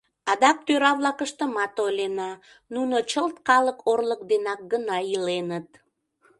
Адак тӧра-влакыштымат ойлена: нуно чылт калык орлык денак гына иленыт.